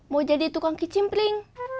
mau jadi tukang kicimpring